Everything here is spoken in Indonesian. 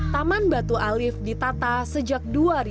taman batu alif ditata sejak dua ribu